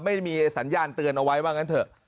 ไม่มีสัญญาณเตือนเอาไว้ว่างั้นเถอะ